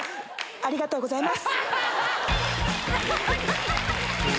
ありがとうございます。